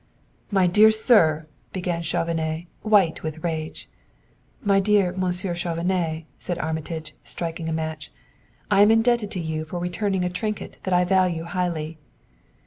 "My dear sir," began Chauvenet, white with rage. "My dear Monsieur Chauvenet," said Armitage, striking a match, "I am indebted to you for returning a trinket that I value highly."